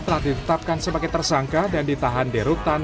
telah ditetapkan sebagai tersangka dan ditahan di rutan